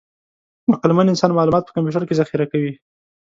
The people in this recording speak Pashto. عقلمن انسان معلومات په کمپیوټر کې ذخیره کوي.